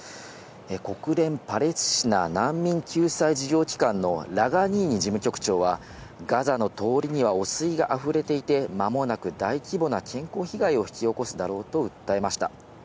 国連パレスチナ難民救済事業機関のラザリーニ事務局長は、ガザの通りには、汚水があふれていて、まもなく大規模な健康被害を引き起こすだろうと訴えました。